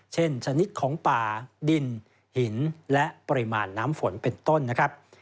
ชนิดของป่าดินหินและปริมาณน้ำฝนเป็นต้นนะครับ